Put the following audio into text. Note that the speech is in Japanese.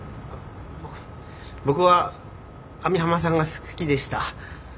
僕は網浜さんが好きでした。